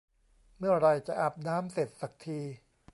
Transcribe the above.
เมื่อไหร่จะอาบน้ำเสร็จสักที